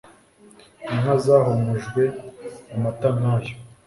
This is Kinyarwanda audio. Inka zahumujwe amata nkayo